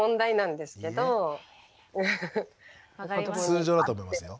通常だと思いますよ。